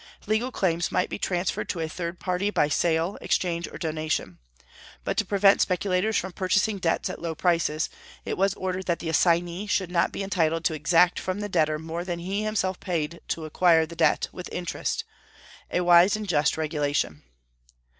Legal claims might be transferred to a third person by sale, exchange, or donation; but to prevent speculators from purchasing debts at low prices, it was ordered that the assignee should not be entitled to exact from the debtor more than he himself had paid to acquire the debt, with interest, a wise and just regulation.